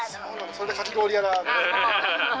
それでかき氷屋に？